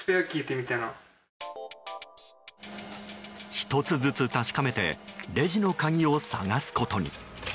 １つずつ確かめてレジの鍵を探すことに。